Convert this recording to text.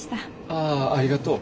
ああありがとう。